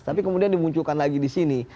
tapi kemudian dimunculkan lagi di sini